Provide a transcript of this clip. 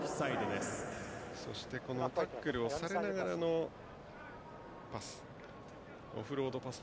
そしてタックルをされながらのパス。